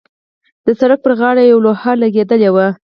د سړک پر غاړې یوه لوحه لګېدلې وه.